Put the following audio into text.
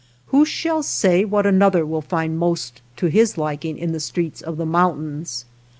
Who shall say what another will find most to his liking in the streets of the mountains.